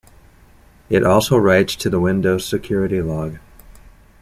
It also writes to the Windows Security Log.